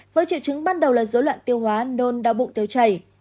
với triệu chứng ban đầu là dối loạn tiêu hóa nôn đau bụng tiêu chảy